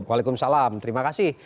waalaikumsalam terima kasih